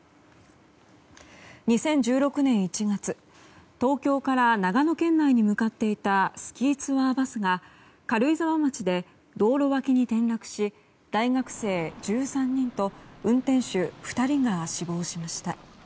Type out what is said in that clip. ２０１６年１月東京から長野県内に向かっていたスキーツアーバスが軽井沢町で道路脇に転落し大学生１３人と運転手２人が死亡しました。